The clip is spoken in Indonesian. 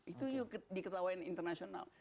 itu diketahui internasional